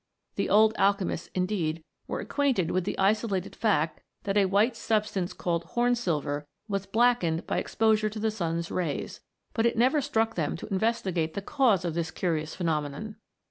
The old alchemists, indeed, were acquainted with the isolated fact that a white sub stance called Jiorn silver was blackened by exposure to the sun's rays, but it never struck them to inves tigate the cause of this curious phenomenon.